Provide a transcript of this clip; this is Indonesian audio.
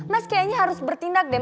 mas kayaknya harus bertindak deh